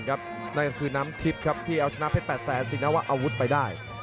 นั่นคือน้ำทิพย์ที่เอาชนะเพชร๘๐๐สินะว่าอาวุธไปได้